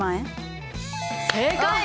正解！